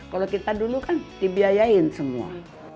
kalau kita dulu kan dibiayain semua